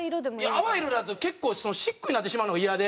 淡い色だと結構シックになってしまうのがイヤで。